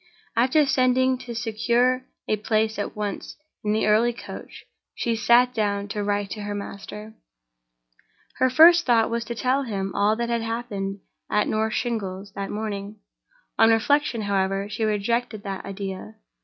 After sending to secure a place at once in the early coach, she sat down to write to her master. Her first thought was to tell him all that had happened at North Shingles that morning. On reflection, however, she rejected the idea.